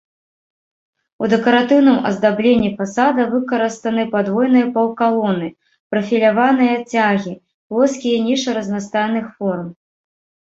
У дэкаратыўным аздабленні фасада выкарыстаны падвойныя паўкалоны, прафіляваныя цягі, плоскія нішы разнастайных форм.